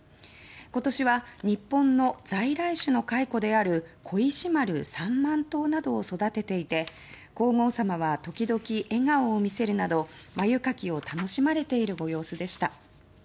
今年は日本の在来種の蚕である小石丸３万頭などを育てていて皇后さまは時々笑顔を見せるなど繭掻きを楽しまれているご様子でした。